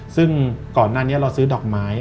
ซึ่งก่อนหน้านี้เราซื้อดอกไม้